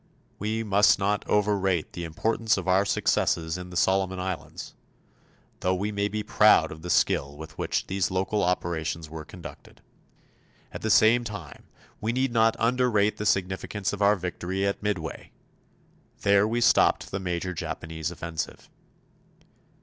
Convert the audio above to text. We must not overrate the importance of our successes in the Solomon Islands, though we may be proud of the skill with which these local operations were conducted. At the same time, we need not underrate the significance of our victory at Midway. There we stopped the major Japanese offensive.